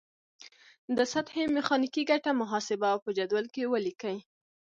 د سطحې میخانیکي ګټه محاسبه او په جدول کې ولیکئ.